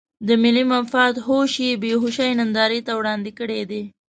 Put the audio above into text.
د ملي مفاد هوش یې بې هوشۍ نندارې ته وړاندې کړی دی.